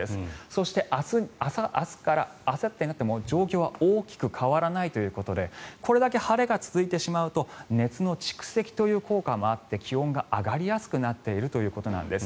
そして明日からあさってになっても状況は大きく変わらないということでこれだけ晴れが続いてしまうと熱の蓄積という効果もあって気温が上がりやすくなっているということなんです。